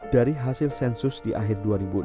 dari hasil sensus di akhir dua ribu enam belas